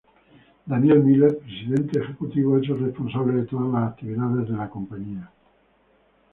Daniel Miller, presidente ejecutivo, es el responsable de todas las actividades de la compañía.